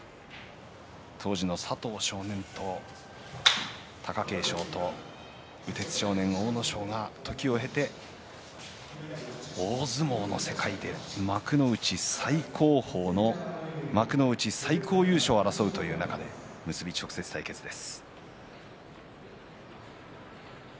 当時の佐藤少年、貴景勝と打越少年、阿武咲が時を経て大相撲の世界で幕内、最高優勝を争うという中で結びの直接対決です。